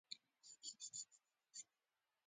د شکل له مخې له نورو هېوادونو سره متفاوت وو.